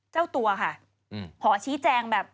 เจ้าตัวค่ะขอชี้แจงแบบ